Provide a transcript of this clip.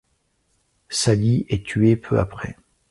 Sally est tuée peu après.